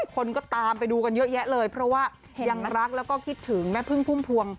คนก็ตามไปดูกันเยอะแยะเลยเพราะว่ายังรักแล้วก็คิดถึงแม่พึ่งพุ่มพวง